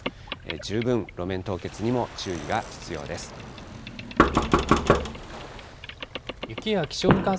十分路面凍結にも注意が必要です。